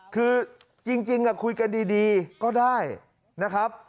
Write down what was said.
คือจริงคุยกันดีก็ได้นะครับ